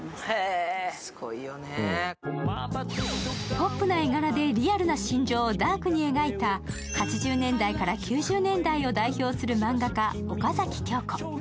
ポップな絵柄でリアルな心情をダークに描いた８０年代から９０年代を代表する漫画家、岡崎京子。